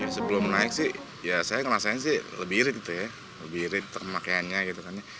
sebelum naik sih ya saya ngerasain sih lebih irit gitu ya lebih irit pemakaiannya gitu kan